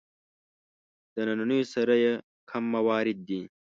د نننیو سره یې کم موارد دي.